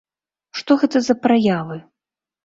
Што гэта за праявы?